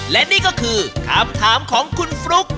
และนี่ก็คือคำถามของคุณฟลุ๊ก